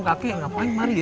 kakek ngapain mari ya